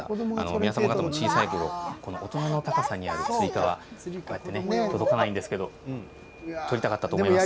皆様方も小さいころこの大人の高さにあるつり革には届かないんですけど取りたかったと思います。